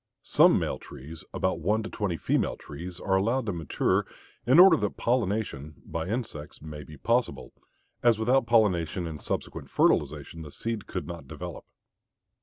Some male trees, about one to twenty female trees, are allowed to mature in order that pollination, by insects, may be possible, as without pollination and subsequent fertilization the seed could not develop.